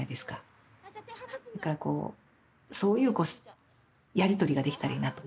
だからこうそういうやり取りができたらいいなと思います。